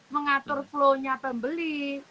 mengatur flow nya pembeli